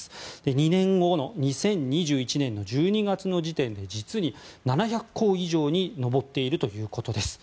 ２年後の２０２１年の１２月の時点で実に７００校以上に上っているということです。